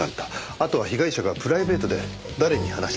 あとは被害者がプライベートで誰に話していたかですねえ。